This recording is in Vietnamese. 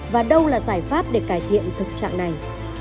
và đâu là giải pháp để cải thiện thực trạng này